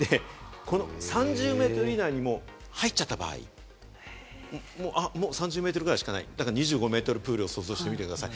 ３０ｍ以内に入っちゃった場合、もう３０メートルぐらいしかない、２５メートルプールを想像してみてください。